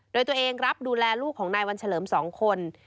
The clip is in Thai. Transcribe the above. โดยตัวเองรับดูแลลูกของนายวันเฉลิม๒คน